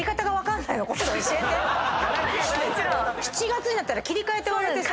７月になったら切り替えって。